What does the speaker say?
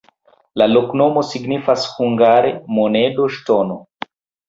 La loknomo signifas hungare: monedo-ŝtono.